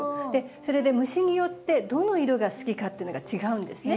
それで虫によってどの色が好きかっていうのが違うんですね。